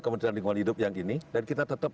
kementerian lingkungan hidup yang ini dan kita tetap